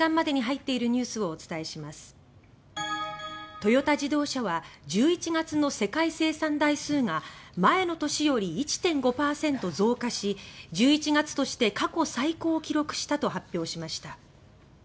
トヨタ自動車は１１月の世界生産台数が前の年より１．５％増加し１１月として過去最高を記録したと発表しました。